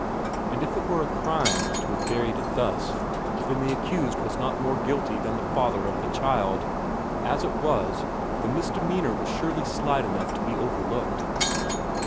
And if it were a crime to have buried it thus, then the accused was not more guilty than the father of the child as it was, the misdemeanour was surely slight enough to be overlooked.